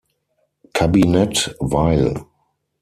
Kabinett Weil.